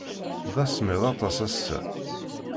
D asemmiḍ aṭas ass-a.